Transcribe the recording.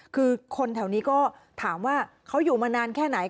คือคนแถวนี้ก็ถามว่าเขาอยู่มานานแค่ไหน